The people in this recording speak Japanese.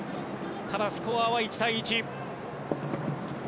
ただ、スコアは１対１。